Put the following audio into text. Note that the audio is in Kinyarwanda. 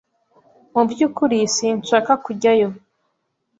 Mu byukuri sinshaka kujyayo.